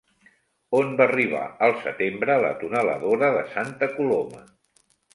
On va arribar al setembre la tuneladora de Santa Coloma?